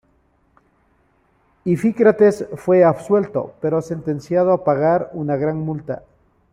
Ifícrates fue absuelto, pero sentenciado a pagar una gran multa.